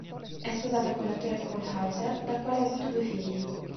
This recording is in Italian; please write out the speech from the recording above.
È sposata con l'attore Cole Hauser, dal quale ha avuto due figli.